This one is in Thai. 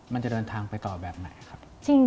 มันจะเดินทางไปต่อแบบไหนครับ